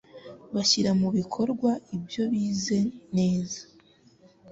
bashyira mu bikowa ibyo bize neza